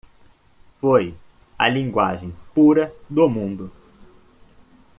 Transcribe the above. Foi a Linguagem pura do mundo.